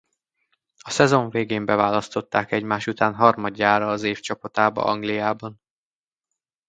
A szezon végén beválasztották egymás után harmadjára az év csapatába Angliában.